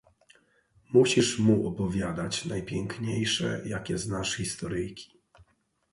"Musisz mu opowiadać najpiękniejsze jakie znasz historyjki."